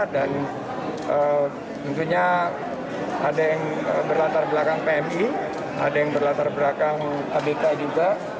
dan tentunya ada yang berlatar belakang pmi ada yang berlatar belakang adk juga